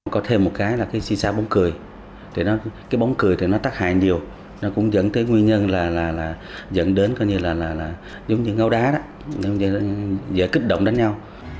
có thêm một cái là cái xì xa bóng cười cái bóng cười thì nó tắc hại nhiều nó cũng dẫn tới nguyên nhân là dẫn đến như là như những ngâu đá đó dễ kích động đánh nhau